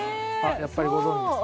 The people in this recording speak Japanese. やっぱりご存じですか？